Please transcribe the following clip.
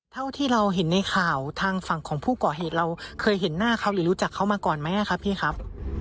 เท่าที่เราเห็นในข่าวทางฝั่งของผู้ก่อเหตุเราเคยเห็นหน้าเขาหรือรู้จักเขามาก่อนไหมครับพี่ครับ